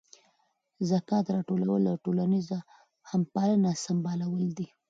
ذکات راټولول او ټولنیزه همپالنه سمبالول دي.